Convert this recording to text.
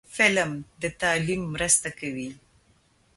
فلم د تعلیم مرسته کوي